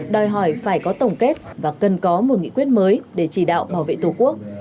đòi hỏi phải có tổng kết và cần có một nghị quyết mới để chỉ đạo bảo vệ tổ quốc